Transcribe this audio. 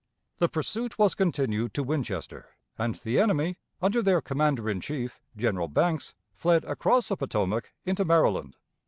The pursuit was continued to Winchester, and the enemy, under their commander in chief, General Banks, fled across the Potomac into Maryland.